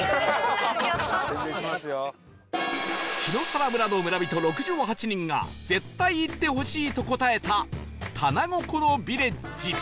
檜原村の村人６８人が絶対行ってほしいと答えたたなごころビレッジ